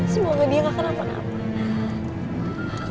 semoga dia gak akan aman aman